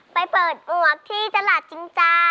ไปเปิดอวกที่ตลาดจินจา